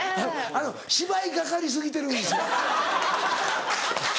芝居がかり過ぎてるんですよ。